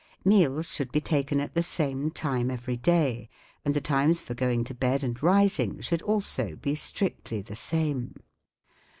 Meals should be taken at the same time every day, and the times for going to bed and rising should also be strictly the same.